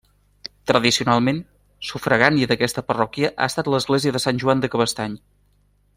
Tradicionalment, sufragània d'aquesta parròquia ha estat l'església de Sant Joan de Cabestany.